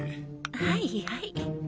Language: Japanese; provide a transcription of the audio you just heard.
はいはい。